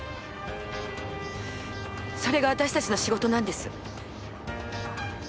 それが私たちの仕事なんです。